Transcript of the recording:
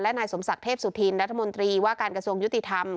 นายสมศักดิ์เทพสุธินรัฐมนตรีว่าการกระทรวงยุติธรรม